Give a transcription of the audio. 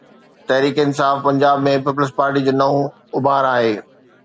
تحريڪ انصاف پنجاب ۾ پيپلز پارٽي جو نئون اڀار آهي.